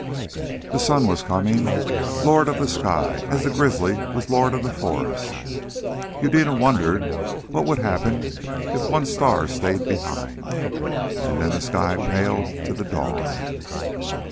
The Sun was coming, lord of the sky, as the grizzly was lord of the forest. Eudena wondered what would happen if one star stayed behind. And then the sky paled to the dawn.